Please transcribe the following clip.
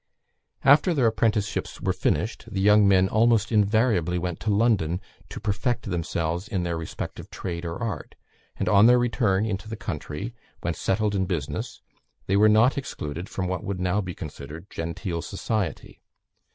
"After their apprenticeships were finished, the young men almost invariably went to London to perfect themselves in their respective trade or art: and on their return into the country, when settled in business, they were not excluded from what would now be considered genteel society.